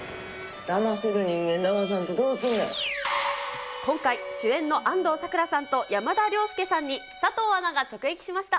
だませる人間、だまさんで、今回、主演の安藤サクラさんと山田涼介さんに佐藤アナが直撃しました。